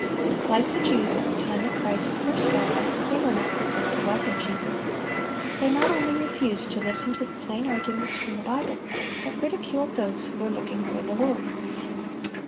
Like the Jews at the time of Christ's first advent, they were not prepared to welcome Jesus. They not only refused to listen to the plain arguments from the Bible, but ridiculed those who were looking for the Lord.